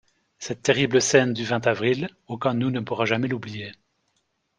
Cette terrible scène du vingt avril, aucun de nous ne pourra jamais l’oublier.